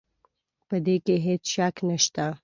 په دې کې هېڅ شک نه شته.